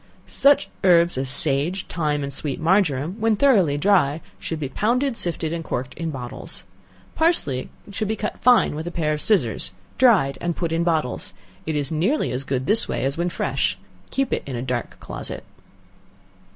Such herbs as sage, thyme and sweet marjoram, when thoroughly dry, should be pounded, sifted, and corked in bottles. Parsley should be cut fine with a pair of scissors, dried, and put in bottles; it is nearly as good this way as when fresh; keep it in a dark closet.